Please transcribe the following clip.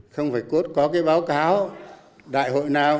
không phải cốt có cái báo cáo đại hội nào